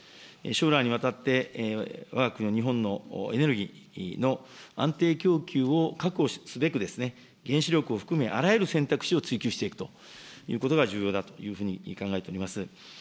将来にわたって、わが国の日本のエネルギーの安定供給を確保すべく、原子力を含めあらゆる選択肢を追求していくということが重要だというふうに考えております。